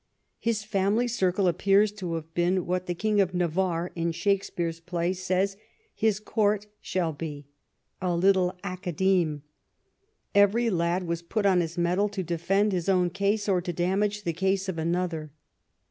His family circle appears to have been what the King of Navarre in Shakespeare's play says his court shall be — "a little Academe." Every lad was put on his mettle to defend his own case or to damage the case of another.